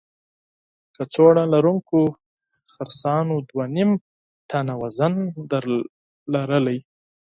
کڅوړه لرونکو خرسانو دوه نیم ټنه وزن درلود.